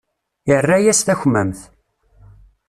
Irra-yas takmamt.